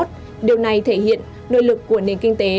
điều này thể hiện nội lực của nền kinh tế